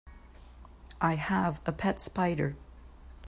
I have a pet spider.